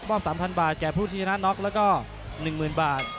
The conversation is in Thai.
๓๐๐บาทแก่ผู้ที่ชนะน็อกแล้วก็๑๐๐๐บาท